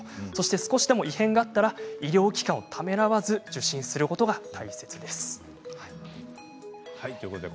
少しでも異変があったら医療機関をためらわず受診することが大切だということです。